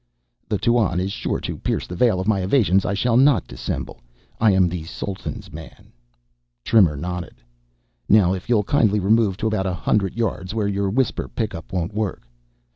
"The Tuan is sure to pierce the veil of my evasions. I shall not dissemble. I am the Sultan's man." Trimmer nodded. "Now, if you'll kindly remove to about a hundred yards, where your whisper pick up won't work."